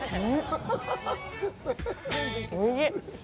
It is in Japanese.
おいしっ。